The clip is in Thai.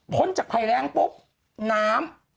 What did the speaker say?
จากภัยแรงปุ๊บน้ำ